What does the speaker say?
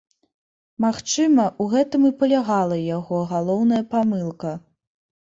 Магчыма, у гэтым і палягала яго галоўная памылка.